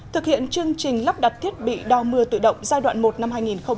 thực hiện chương trình lắp đặt thiết bị đo mưa tự động giai đoạn một năm hai nghìn hai mươi